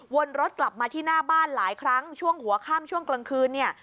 วนรถกลับมาที่หน้าบ้านหลายครั้งช่วงหัวข้ามช่วงกลางคืนเนี่ย